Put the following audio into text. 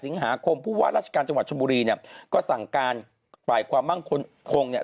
สิงหาคมผู้ว่าราชการจังหวัดชมบุรีเนี่ยก็สั่งการฝ่ายความมั่งคงเนี่ย